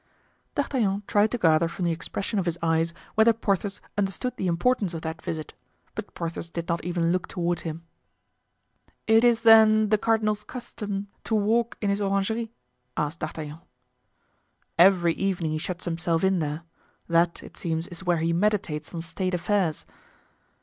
D'Artagnan tried to gather from the expression of his eyes whether Porthos understood the importance of that visit, but Porthos did not even look toward him. "It is, then, the cardinal's custom to walk in his orangery?" asked D'Artagnan. "Every evening he shuts himself in there. That, it seems, is where he meditates on state affairs."